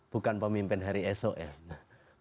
bukan pemimpin hari esok ya